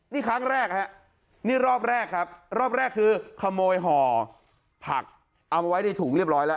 นี่ครั้งแรกฮะนี่รอบแรกครับรอบแรกคือขโมยห่อผักเอามาไว้ในถุงเรียบร้อยแล้ว